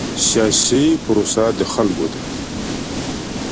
سیاسي پروسه د خلکو ده